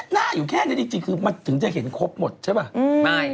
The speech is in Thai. หน้าอยู่แค่นี้จริงคือมันถึงจะเห็นครบหมดใช่ป่ะไม่